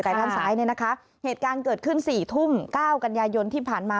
ด้านซ้ายเนี่ยนะคะเหตุการณ์เกิดขึ้นสี่ทุ่มเก้ากันยายนที่ผ่านมา